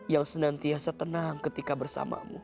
yang senantiasa tenang ketika bersamamu